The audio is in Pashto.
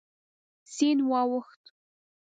سیند واوښت.